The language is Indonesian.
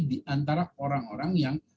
di antara orang orang yang